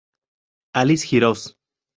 Alice Hirose